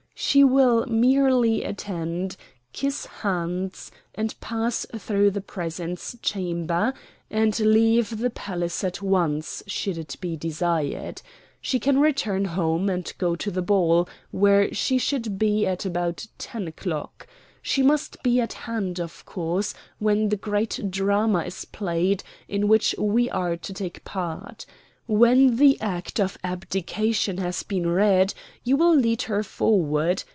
She will merely attend, kiss hands, and pass through the presence chamber, and leave the palace at once, should it be desired. She can return home and go to the ball, where she should be at about ten o'clock. She must be at hand of course when the great drama is played in which we are to take part. When the Act of Abdication has been read, you will lead her forward.